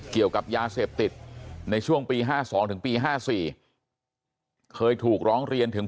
เกี่ยวกับยาเสพติดในช่วงปี๕๒ถึงปี๕๔เคยถูกร้องเรียนถึง